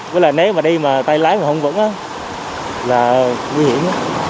với lại nếu mà đi mà tay lái mà không vững á là nguy hiểm